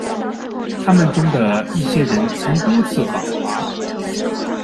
他们中的一些人曾多次访华。